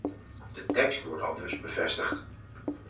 De tekst wordt aldus bevestigd.